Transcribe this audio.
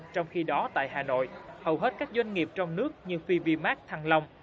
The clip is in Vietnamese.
trong khi đó tại hà nội hầu hết các doanh nghiệp trong nước như pvmac thăng long